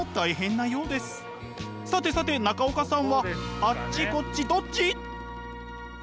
さてさて中岡さんはあっちこっちどっち？